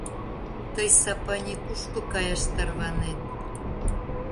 Тый, Сапани, кушко каяш тарванет?